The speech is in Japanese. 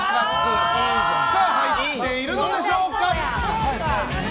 入っているのでしょうか。